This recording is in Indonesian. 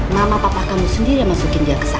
mama papa kamu sendiri yang masukin dia ke jiwa